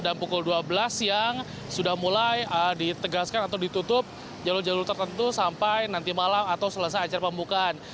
dan pukul dua belas siang sudah mulai ditegaskan atau ditutup jalur jalur tertentu sampai nanti malam atau selesai acara pembukaan